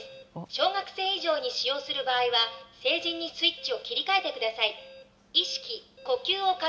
小学生以上に使う場合は、成人にスイッチを切り替えてください。